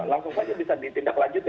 langsung saja bisa ditindaklanjuti